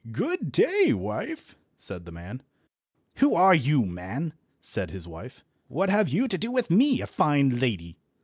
"Good day, wife!" said the man. "Who are you, man?" said his wife. "What have you to do with me, a fine lady?